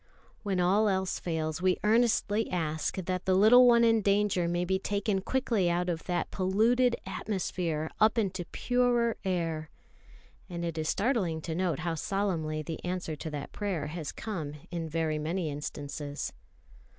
When all else fails, we earnestly ask that the little one in danger may be taken quickly out of that polluted atmosphere up into purer air; and it is startling to note how solemnly the answer to that prayer has come in very many instances.